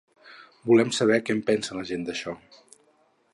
Volem saber que en pensa la gent, d’això.